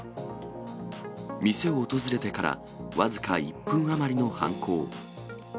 店を訪れてから僅か１分余りの犯行。